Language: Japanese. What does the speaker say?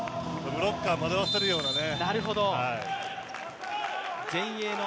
ブロッカーを惑わせるようなね。